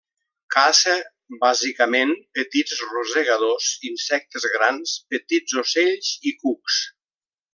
Caça bàsicament petits rosegadors, insectes grans, petits ocells i cucs.